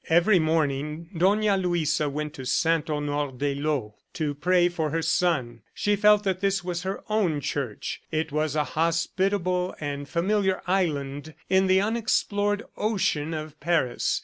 Every morning Dona Luisa went to Saint Honore d'Eylau to pray for her son. She felt that this was her own church. It was a hospitable and familiar island in the unexplored ocean of Paris.